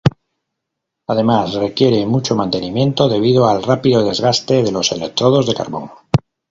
Además requiere mucho mantenimiento debido al rápido desgaste de los electrodos de carbón.